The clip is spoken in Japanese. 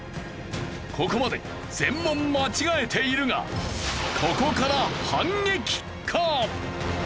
ここまで全問間違えているがここから反撃か！？